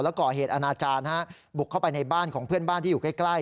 แล้วก่อเหตุอนาจารย์บุกเข้าไปในบ้านของเพื่อนบ้านที่อยู่ใกล้